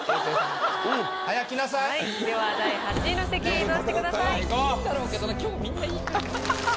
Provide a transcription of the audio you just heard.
では第８位の席へ移動してください。